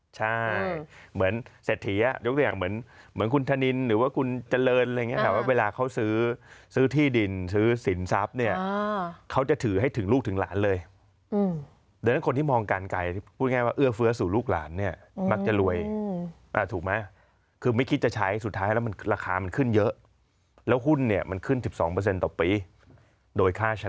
ใช่เหมือนเศรษฐียกตัวอย่างเหมือนคุณธนินหรือว่าคุณเจริญอะไรอย่างนี้ค่ะว่าเวลาเขาซื้อซื้อที่ดินซื้อสินทรัพย์เนี่ยเขาจะถือให้ถึงลูกถึงหลานเลยดังนั้นคนที่มองการไกลพูดง่ายว่าเอื้อเฟื้อสู่ลูกหลานเนี่ยมักจะรวยถูกไหมคือไม่คิดจะใช้สุดท้ายแล้วมันราคามันขึ้นเยอะแล้วหุ้นเนี่ยมันขึ้น๑๒ต่อปีโดยค่าใช้